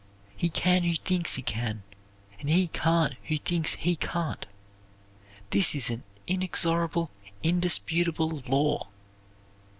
He can who thinks he can, and he can't who thinks he can't. This is an inexorable, indisputable law.